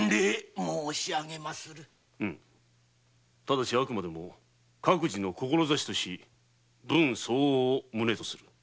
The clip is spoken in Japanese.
ただしあくまでも各自の志とし分相応を旨とする事。